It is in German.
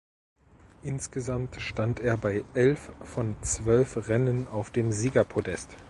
Insgesamt stand er bei elf von zwölf Rennen auf dem Siegerpodest.